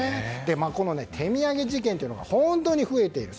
この手土産事件というのが本当に増えている。